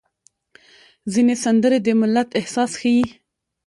ځینې سندرې د ملت احساس ښيي.